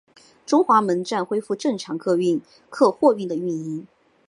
中华门站恢复正常客货运的运营。